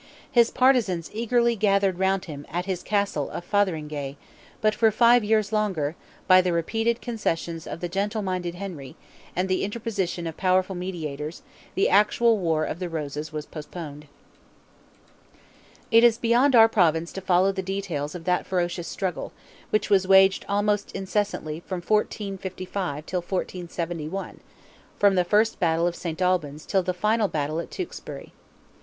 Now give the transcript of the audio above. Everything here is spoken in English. His partizans eagerly gathered round him at his castle of Fotheringay, but for five years longer, by the repeated concessions of the gentle minded Henry, and the interposition of powerful mediators, the actual war of the roses was postponed. It is beyond our province to follow the details of that ferocious struggle, which was waged almost incessantly from 1455 till 1471—from the first battle of St. Albans till the final battle at Tewksbury.